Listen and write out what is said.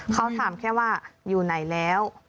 เขาถามแค่ว่าอยู่ไหนแล้ว